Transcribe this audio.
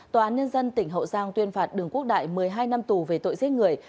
tòa án nhân dân tỉnh hậu giang tuyên phạt đường quốc đại một mươi hai năm tù về tội giết người